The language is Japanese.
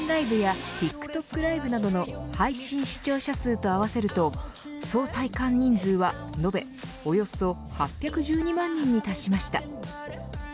ライブやＴｉｋＴｏｋＬｉｖｅなどの配信視聴者数と合わせると総体感人数は述べおよそ８１２万人に達しました。